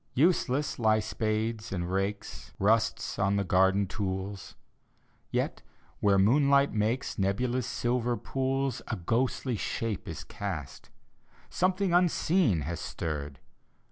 Useless lie spades and rakes; Rust's on the garden tools. Yet, where the moonlight makes Nebulous silver pools A ghostly shape is cast — Something unseen has stirred